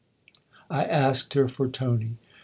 " I asked her for Tony."